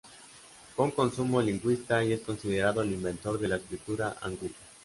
Fue un consumado lingüista y es considerado el inventor de la escritura hangul.